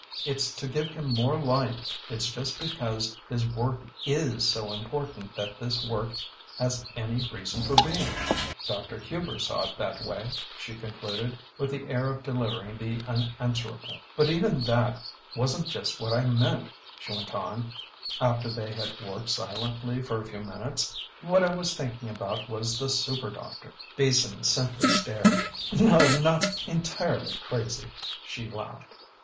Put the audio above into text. It's to give him more light. It's just because his work is so important that this work has any reason for being. Dr. Hubers saw it that way," she concluded, with the air of delivering the unanswerable. "But even that wasn't just what I meant," she went on, after they had worked silently for a few minutes. "What I was thinking about was the superdoctor." Beason simply stared. "No, not entirely crazy," she laughed.